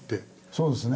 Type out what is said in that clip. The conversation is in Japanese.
そうですね。